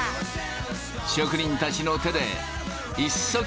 職人たちの手で一足